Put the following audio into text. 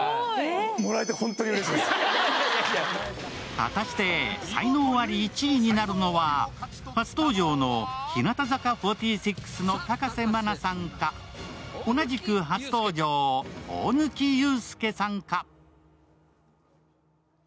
果たして才能あり１位になるのは初登場の日向坂４６の高瀬愛奈さんか、同じく初登場大貫勇輔さんか。